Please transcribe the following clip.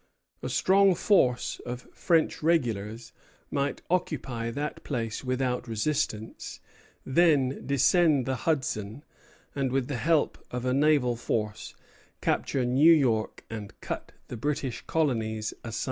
A strong force of French regulars might occupy that place without resistance, then descend the Hudson, and, with the help of a naval force, capture New York and cut the British colonies asunder.